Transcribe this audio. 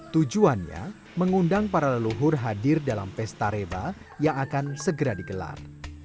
tujuannya mengundang para leluhur hadir dalam pesta reba yang akan segera digelar